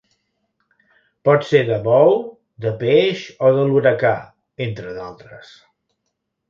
Pot ser de bou, de peix o de l'huracà, entre d'altres.